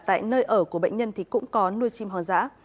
tại nơi ở của bệnh nhân thì cũng có nuôi chim hoang dã